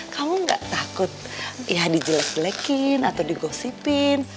kamu gak takut ya dijelek jelekin atau digosipin